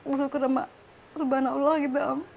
bersyukur sama serban allah gitu om